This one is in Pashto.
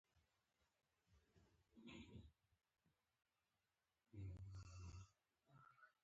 د راکټ ماډل او د دفتر نور کثافات هم وو